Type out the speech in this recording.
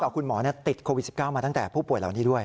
คุณหมอติดโควิด๑๙มาตั้งแต่ผู้ป่วยเหล่านี้ด้วย